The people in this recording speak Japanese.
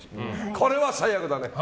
これは最悪だね。